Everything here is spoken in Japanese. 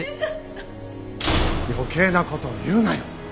余計な事言うなよ！